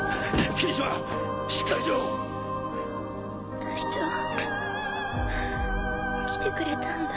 眥后帖来てくれたんだ。